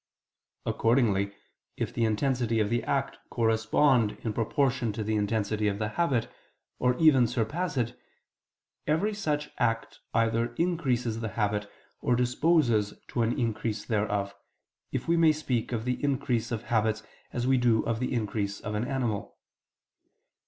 Accordingly, if the intensity of the act correspond in proportion to the intensity of the habit, or even surpass it, every such act either increases the habit or disposes to an increase thereof, if we may speak of the increase of habits as we do of the increase of an animal.